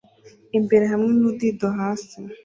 imbere hamwe nudido hasi